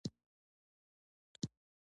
د ښوونکي دنده ده چې زده کوونکي زده کړو ته هڅوي.